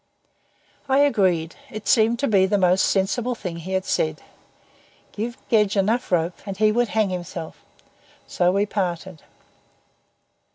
I agreed. It seemed to be the most sensible thing he had said. Give Gedge enough rope and he would hang himself. So we parted.